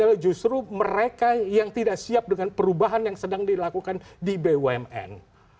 padahal justru mereka yang tidak siap dengan perubahan yang sedang dilakukan di bumn